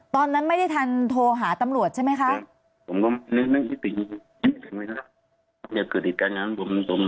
ตอนนั้นไม่ได้ทันโทรหาตำลวจใช่ไหมคะผมก็จะคือที่การงานผมผม